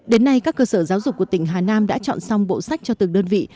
đến nay các cơ sở giáo dục của tỉnh hà nam đã chọn xong bộ sách cho từng đơn vị